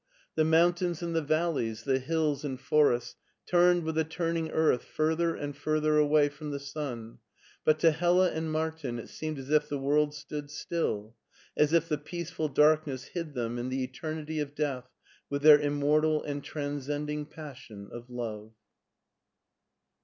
The mountains and the valleys, the hills and forests, turned with the turning earth further and further away from the sun, but to HeUa and Martin it seemed as if the world stood still, as if the peaceful darkness hid them in the eternity of death with their immortal and tran* scending passion of love.